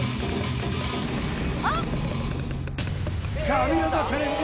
神業チャレンジ